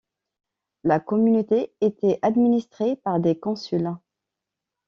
La communauté était administrée par des consuls.